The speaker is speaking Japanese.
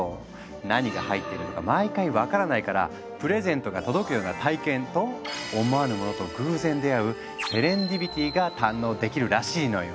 何が入ってるのか毎回分からないから「プレゼントが届くような体験」と「思わぬものと偶然出会うセレンディピティ」が堪能できるらしいのよ。